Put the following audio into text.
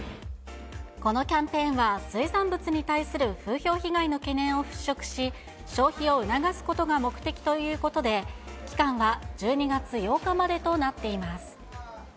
このキャンペーンは、水産物に対する風評被害の懸念を払拭し、消費を促すことが目的ということで、期間は１２月８日までとなっています。